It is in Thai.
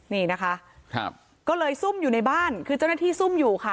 นี่นะคะครับก็เลยซุ่มอยู่ในบ้านคือเจ้าหน้าที่ซุ่มอยู่ค่ะ